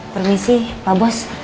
permisi pak bos